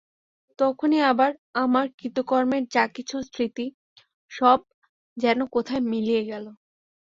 তখনই আবার আমার কৃতকর্মের যা কিছু স্মৃতি সব যেন কোথায় মিলিয়ে গেল।